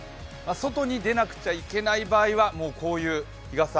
外に出なくちゃいけない場合は日傘。